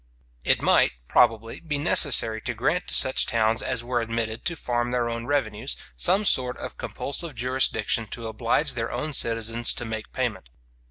} It might, probably, be necessary to grant to such towns as were admitted to farm their own revenues, some sort of compulsive jurisdiction to oblige their own citizens to make payment.